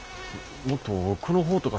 もっと奥の方とか。